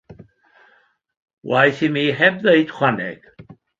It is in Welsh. Waeth i mi heb ddeud chwaneg.